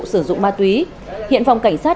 sử dụng ma túy hiện phòng cảnh sát